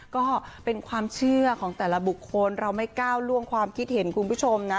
ก็เป็นความเชื่อของแต่ละบุคคลเราไม่ก้าวล่วงความคิดเห็นคุณผู้ชมนะ